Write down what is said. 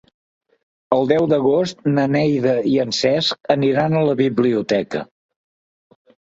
El deu d'agost na Neida i en Cesc aniran a la biblioteca.